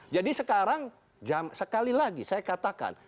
jadi sekarang sekali lagi saya katakan